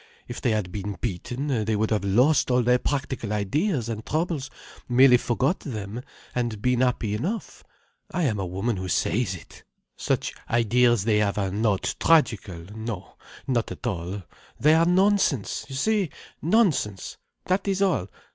If they had been beaten, they would have lost all their practical ideas and troubles, merely forgot them, and been happy enough. I am a woman who says it. Such ideas they have are not tragical. No, not at all. They are nonsense, you see, nonsense. That is all.